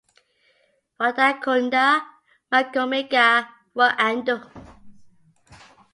Wadakunda magome gha w'andu.